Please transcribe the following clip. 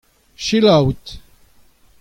Sheila out.